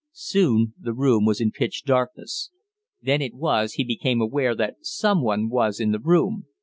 Soon the room was in pitch darkness. Then it was he became aware that someone was in the room.